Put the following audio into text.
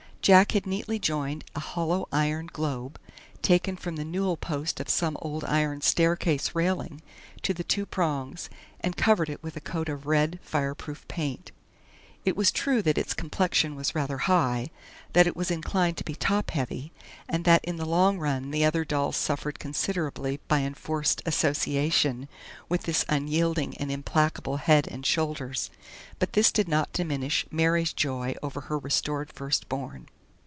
Jack had neatly joined a hollow iron globe, taken from the newel post of some old iron staircase railing, to the two prongs, and covered it with a coat of red fireproof paint. It was true that its complexion was rather high, that it was inclined to be top heavy, and that in the long run the other dolls suffered considerably by enforced association with this unyielding and implacable head and shoulders, but this did not diminish Mary's joy over her restored first born.